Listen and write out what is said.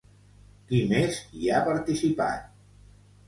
Qui més hi ha participat?